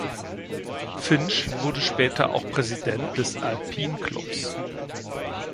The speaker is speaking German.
Finch wurde später auch Präsident des Alpine Clubs.